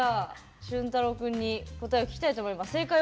しゅんたろう君に答えを聞きたいと思います。